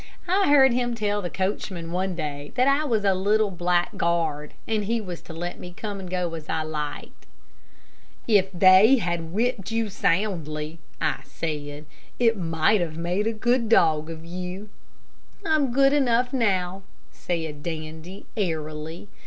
I heard him tell the coachman one day that I was a little blackguard, and he was to let me come and go as I liked." "If they had whipped you soundly," I said, "it might have made a good dog of you." "I'm good enough now," said Dandy, airily.